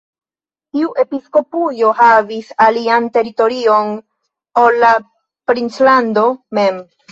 Tiu episkopujo havis alian teritorion ol la princlando mem.